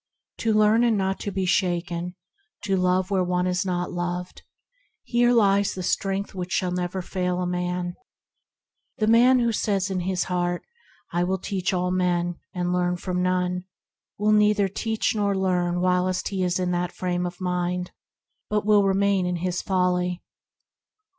To learn, and not to be shaken; to love where one is not loved; herein lies the strength that shall never fail a man. The man who says in his heart, "I will teach all men, and learn from none," THE UNFAILING WISDOM 109 will neither teach nor learn while in that frame of mind, but will remain in his folly.